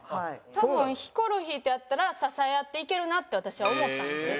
多分ヒコロヒーとやったら支え合っていけるなって私は思ったんですよ。